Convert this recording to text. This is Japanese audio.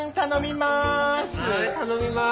頼みまーす。